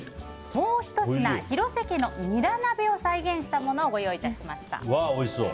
もうひと品、広瀬家のニラ鍋を再現したものをご用意しました。